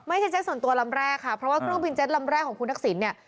เซ็ตส่วนตัวลำแรกค่ะเพราะว่าเครื่องบินเจ็ตลำแรกของคุณทักษิณเนี่ย